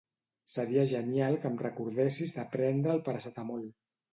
Seria genial que em recordessis de prendre el Paracetamol.